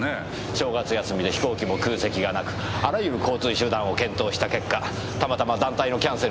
正月休みで飛行機も空席がなくあらゆる交通手段を検討した結果たまたま団体のキャンセルが出たそうです。